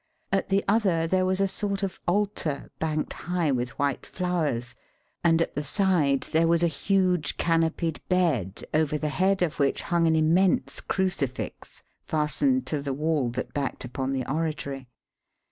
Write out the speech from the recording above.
At the other there was a sort of altar banked high with white flowers, and at the side there was a huge canopied bed over the head of which hung an immense crucifix fastened to the wall that backed upon the oratory.